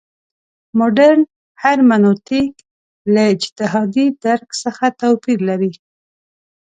مډرن هرمنوتیک له اجتهادي درک څخه توپیر لري.